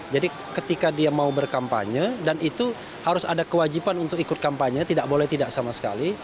ketika dia mau berkampanye dan itu harus ada kewajiban untuk ikut kampanye tidak boleh tidak sama sekali